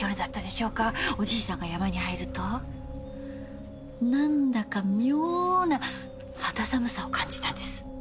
「おじいさんが山に入ると何だか妙な肌寒さを感じたんです」